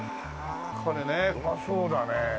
これねうまそうだね。